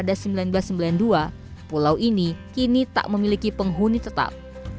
dan sudah selesai dengan tsunami pada seribu sembilan ratus sembilan puluh dua pulau ini kini tak memiliki penghuni tetap